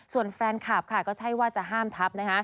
ส่วนแฟนคลับค่ะก็ใช่ว่าจะห้ามทับนะคะ